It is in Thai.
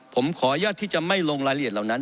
ผมขออนุญาตที่จะไม่ลงรายละเอียดเหล่านั้น